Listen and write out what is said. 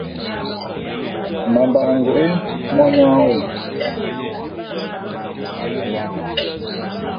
Mbamba’a ngoke monyang wo;